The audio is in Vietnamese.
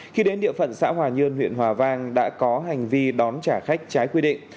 khi đến địa phận xã hòa nhơn huyện hòa vang đã có hành vi đón trả khách trái quy định